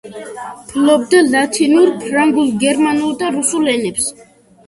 ფლობდა ლათინურ, ფრანგულ, გერმანულ და რუსულ ენებს.